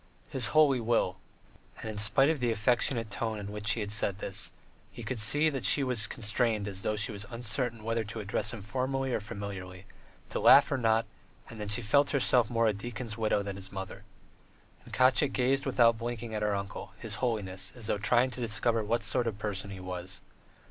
His Holy Will!" And in spite of the affectionate tone in which she said this, he could see she was constrained as though she were uncertain whether to address him formally or familiarly, to laugh or not, and that she felt herself more a deacon's widow than his mother. And Katya gazed without blinking at her uncle, his holiness, as though trying to discover what sort of a person he was.